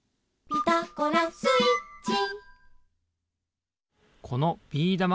「ピタゴラスイッチ」